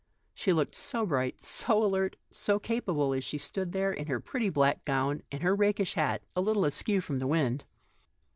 She looked so bright, so alert, so capable, as she stood there, in her pretty black gown and her rakish hat, a little askew with the wind.